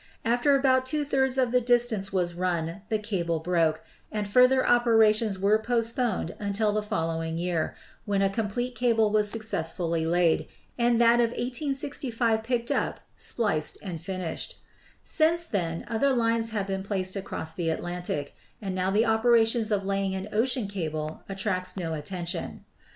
After about two thirds of the distance was run the cable broke, and further opera ELECTRO MAGNETIC TELEGRAPH 3°9 tions were postponed until the following year, when a complete cable was successfully laid, and that of 1865 pickecl up, spliced and finished. Since then other lines have been placed across the Atlantic; and now the opera tions of laying an ocean cable attracts no attention.